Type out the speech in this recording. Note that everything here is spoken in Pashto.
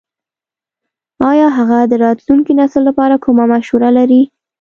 ایا هغه د راتلونکي نسل لپاره کومه مشوره لري ?